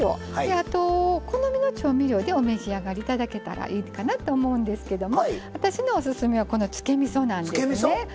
あとお好みの調味料でお召し上がり頂けたらいいかなと思うんですけども私のオススメはこのつけみそなんですね。